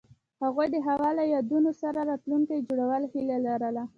هغوی د هوا له یادونو سره راتلونکی جوړولو هیله لرله.